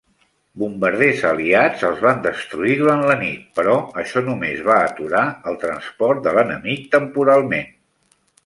Bombarders aliats els van destruir durant la nit, però això només va aturar el transport de l'enemic temporalment.